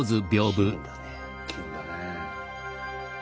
金だね。